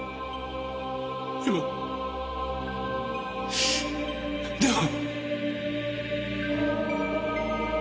でもでも。